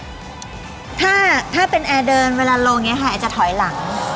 ถ้าเป็นแอร์เดินเวลาลงเนี่ยค่ะอาจจะถอยหลัง